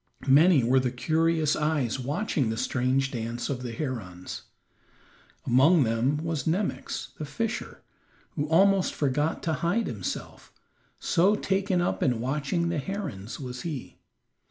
Many were the curious eyes watching the strange dance of the herons. Among them was Nemox, the fisher, who almost forgot to hide himself, so taken up in watching the herons was he.